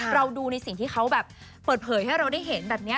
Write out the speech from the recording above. เราดูในสิ่งที่เขาแบบเปิดเผยให้เราได้เห็นแบบนี้